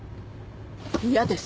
嫌です。